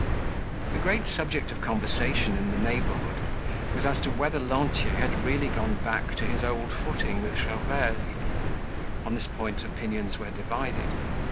The great subject of conversation in the neighborhood was as to whether Lantier had really gone back to his old footing with Gervaise. On this point opinions were divided.